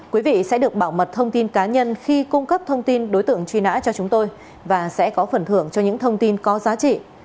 quý vị sẽ được bảo mật thông tin cá nhân khi cung cấp thông tin đối tượng truy nã cho chúng tôi và sẽ có phần thưởng cho những thông tin có giá trị